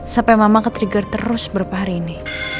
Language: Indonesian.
sampai mama ketrigger terus berpahar ini